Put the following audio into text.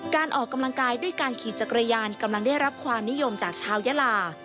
การออกกำลังกายด้วยการขี่จักรยานกำลังได้รับความนิยมจากชาวยาลา